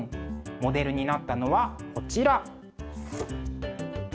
モデルになったのはこちら。